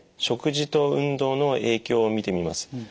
食事と運動の影響を見てみます。